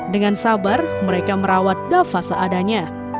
dengan sabar mereka merawat dafa seadanya